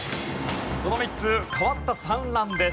この３つ変わった産卵です。